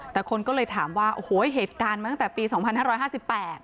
แต่คนก็เลยถามว่าโอ้โหเหตุการณ์มาตั้งแต่ปีสองพันห้าร้อยห้าสิบแปด